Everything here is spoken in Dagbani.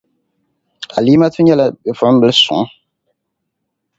Alimatu nyεla bipuɣinbil' suŋ.